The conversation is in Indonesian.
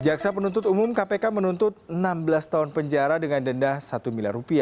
jaksa penuntut umum kpk menuntut enam belas tahun penjara dengan denda rp satu miliar